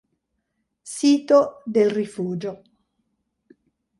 Sito del rifugio